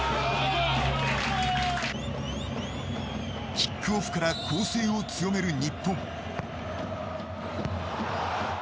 キックオフから攻勢を強める日本。